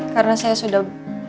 karena saya sudah